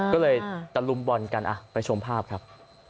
ก็เลยตะลุมบอลกันไปชมภาพครับ